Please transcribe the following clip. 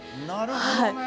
なるほどね。